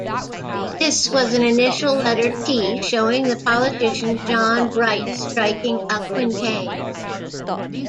This was an initial letter 'T' showing the politician John Bright striking a quintain.